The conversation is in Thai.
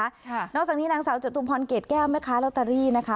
นอกจากนี้นางสาวจตุพรเกรดแก้วแม่ค้าลอตเตอรี่นะคะ